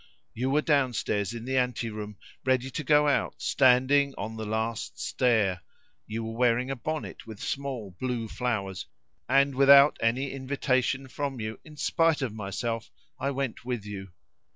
"You were downstairs in the ante room, ready to go out, standing on the last stair; you were wearing a bonnet with small blue flowers; and without any invitation from you, in spite of myself, I went with you.